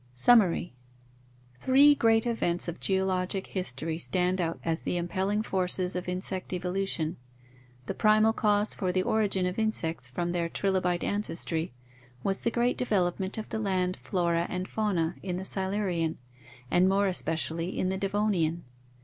Summary. — Three great events of geologic history stand out as the impelling forces of insect evolution. The primal cause for the origin of insects from their trilobite ancestry was the great development of the land flora and fauna in the Silurian and more especially in the Devonian.